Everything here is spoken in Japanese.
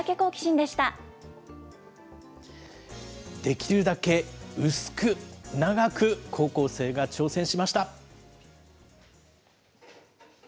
できるだけ薄く、長く、高校生が挑戦しました。